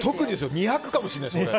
２００かもしれないですよ。